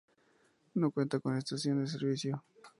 No cuenta con estación de servicio.